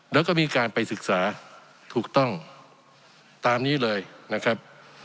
แล้วก็มีการไปศึกษาถูกต้องตามนี้เลยนะครับ